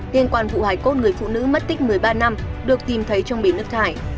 liên quan vụ hải cốt người phụ nữ mất tích một mươi ba năm được tìm thấy trong bì nước thải